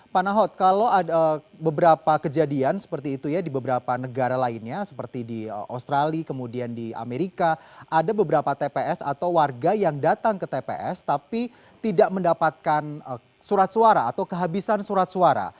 pak nahot kalau ada beberapa kejadian seperti itu ya di beberapa negara lainnya seperti di australia kemudian di amerika ada beberapa tps atau warga yang datang ke tps tapi tidak mendapatkan surat suara atau kehabisan surat suara